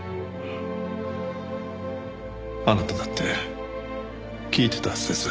あなただって聞いてたはずです。